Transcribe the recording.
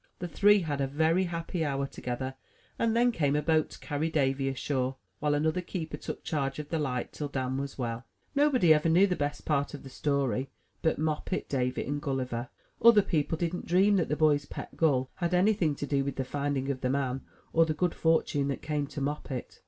The three had a very happy hour together, and then came a boat to carry Davy ashore, while another keeper took charge of the light till Dan was well. 94 THE TREASURE CHEST Nobody ever knew the best part of the story but Moppet, Davy, and Gulliver. Other people didn't dream that the boy's pet gull had anything to do with the finding of the man, or the good fortune that came to Moppet.